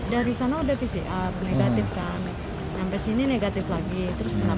dari sana udah pcr negatif kan